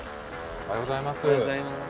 おはようございます。